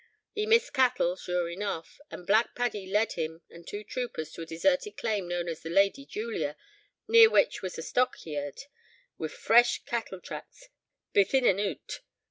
He missed cattle, sure enough, and Black Paddy led him and two troopers to a deserted claim known as the 'Lady Julia,' near which was a stockyaird wi' fresh cattle tracks baith in and oot.